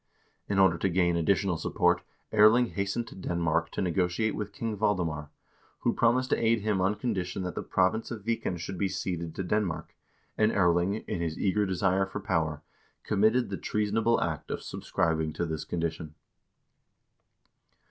In order to gain additional support Erling hastened to Denmark to negotiate with King Valdemar, who promised to aid him on con dition that the province of Viken should be ceded to Denmark, and Erling, in his eager desire for power, committed the treasonable act of subscribing to this condition.